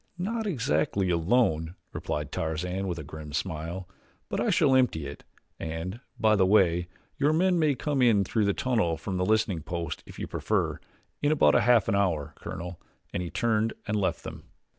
"Not exactly alone," replied Tarzan with a grim smile; "but I shall empty it, and, by the way, your men may come in through the tunnel from the listening post if you prefer. In about half an hour, Colonel," and he turned and left them.